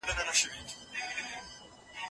ګوندي تحلیلونو زموږ په ټولنه کي تباهي راوستې ده.